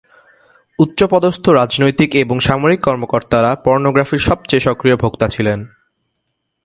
উচ্চ পদস্থ রাজনৈতিক এবং সামরিক কর্মকর্তারা পর্নোগ্রাফির সবচেয়ে সক্রিয় ভোক্তা ছিলেন।